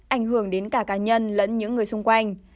ảnh hưởng đến cả cá nhân lẫn những người xung quanh